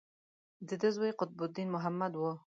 د ده زوی قطب الدین محمد و.